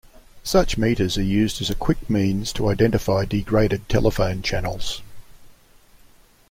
Such meters are used as a quick means to identify degraded telephone channels.